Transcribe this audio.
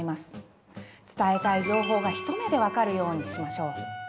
伝えたい情報が一目でわかるようにしましょう。